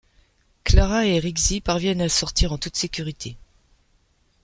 Clara et Rigsy parviennent à sortir en toute sécurité.